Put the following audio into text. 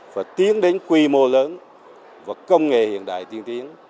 và tiến đến quy mô lớn và công nghệ hiện đại tiên tiến